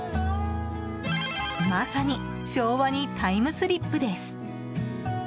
まさに昭和にタイムスリップです。